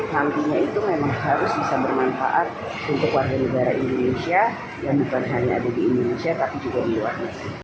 nantinya itu memang harus bisa bermanfaat untuk warga negara indonesia yang bukan hanya ada di indonesia tapi juga di luar negeri